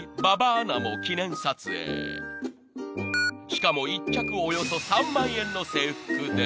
［しかも１着およそ３万円の制服で］